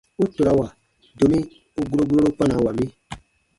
U torawa, domi u guro guroru kpanawa mi.